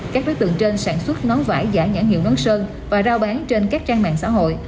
các đối tượng trên sản xuất nón vải giả nhãn hiệu nón sơn và rao bán trên các trang mạng xã hội